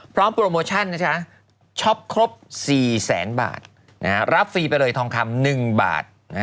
พร้อมโปรโมชั่นช้อปครบ๔๐๐๐๐๐บาทรับฟรีไปเลยทองคำ๑บาท